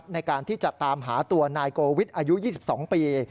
ในการที่จะตามหาตัวนายโกวิทอายุ๒๒ปี